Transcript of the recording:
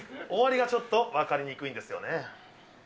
終わりがちょっと分かりにくいんですよね。